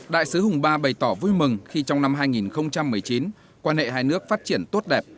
đại sứ hùng ba bày tỏ vui mừng khi trong năm hai nghìn một mươi chín quan hệ hai nước phát triển tốt đẹp